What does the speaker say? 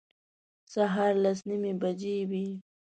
سهار لس نیمې بجې وې.